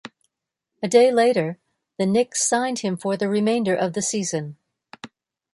A day later, the Knicks signed him for the remainder of the season.